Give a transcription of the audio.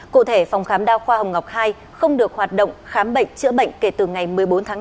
cụ thể phòng khám đa khoa hồng ngọc hai không được hoạt động khám bệnh chữa bệnh kể từ ngày một mươi bốn tháng năm